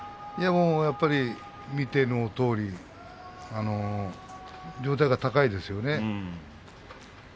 やっぱり見てのとおり上体が高いですよね。